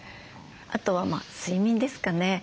あとは睡眠ですかね。